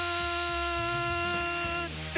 って